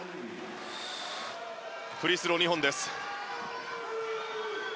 フリースロー２本です。